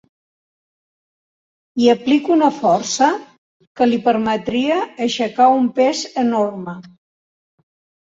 Hi aplica una força que li permetria aixecar un pes enorme.